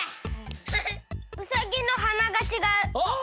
ウサギのはながちがう。